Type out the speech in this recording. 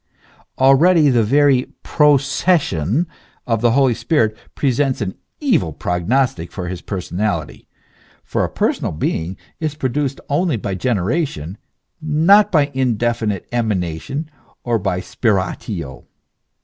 f Already the very "procession" of the Holy Ghost pre sents an evil prognostic for his personality, for a personal being is produced only by generation, not by an indefinite emanation or by spiratio.